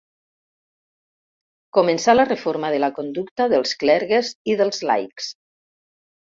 Començà la reforma de la conducta dels clergues i dels laics.